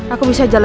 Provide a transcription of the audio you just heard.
aku bisa jalan ya